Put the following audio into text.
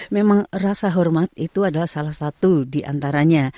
memang rasa hormat itu adalah salah satu di antaranya